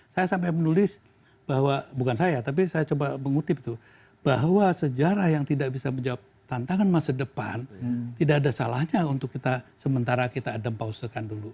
saya sampai menulis bahwa bukan saya tapi saya coba mengutip tuh bahwa sejarah yang tidak bisa menjawab tantangan masa depan tidak ada salahnya untuk kita sementara kita adam pausekan dulu